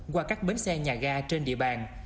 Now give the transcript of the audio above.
qua các bến xe nhà ga trên địa bàn